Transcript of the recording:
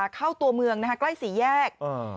เข้าตัวเมืองใกล้สี่แยก